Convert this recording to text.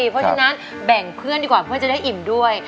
เพราะฉะนั้นแบ่งเพื่อนดีกว่าเพื่อจะได้อิ่มด้วย